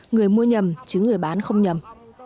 người mua nhầm chứ người bán không nhầm